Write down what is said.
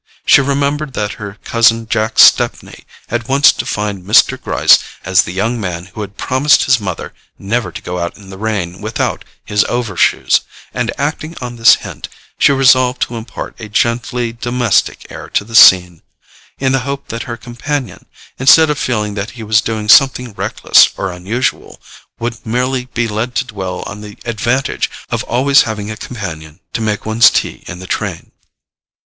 She remembered that her cousin Jack Stepney had once defined Mr. Gryce as the young man who had promised his mother never to go out in the rain without his overshoes; and acting on this hint, she resolved to impart a gently domestic air to the scene, in the hope that her companion, instead of feeling that he was doing something reckless or unusual, would merely be led to dwell on the advantage of always having a companion to make one's tea in the train.